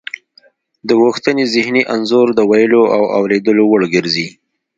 د غوښتنې ذهني انځور د ویلو او اوریدلو وړ ګرځي